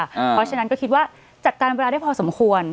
เพราะฉะนั้นก็คิดว่าจัดการเวลาได้พอสมควร